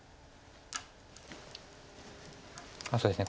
そうですね